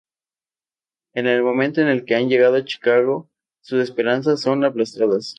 En el momento en que han llegado a Chicago, sus esperanzas son aplastadas.